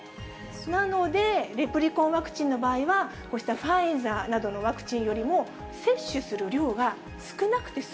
なので、レプリコンワクチンの場合は、こうしたファイザーなどのワクチンよりも接種する量が少なくて済